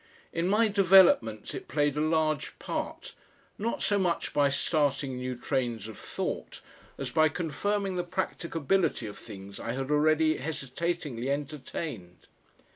In my developments it played a large part, not so much by starting new trains of thought as by confirming the practicability of things I had already hesitatingly entertained.